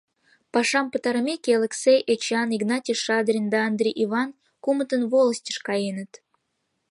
Пашам пытарымеке, Элексей Эчан, Игнатий Шадрин да Андри Иван — кумытын волостьыш каеныт.